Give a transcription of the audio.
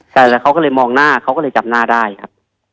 ใช่แล้วเขาก็เลยมองหน้าเขาก็เลยจำหน้าได้ครับ